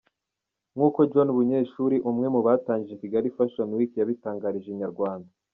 Nk’uko John Bunyeshuri, umwe mu batangije Kigali Fashion Week yabitangarije Inyarwanda.